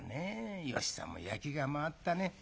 芳さんも焼きが回ったね。